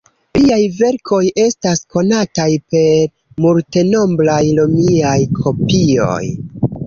Liaj verkoj estas konataj per multenombraj romiaj kopioj.